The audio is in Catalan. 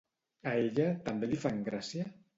A ella també li fan gràcia?